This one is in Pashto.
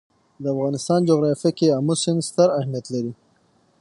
د افغانستان جغرافیه کې آمو سیند ستر اهمیت لري.